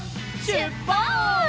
しゅっぱつ！